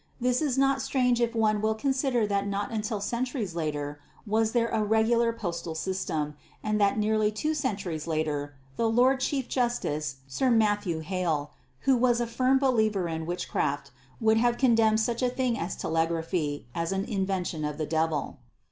This is not strange if one will consider that not until centuries later was there a regular postal system, and that nearly two centuries later the Lord Chief Justice Sir Matthew Hale, who was a firm believer in witchcraft, would have condemned such a thing as telegraphy as an invention of the Devil.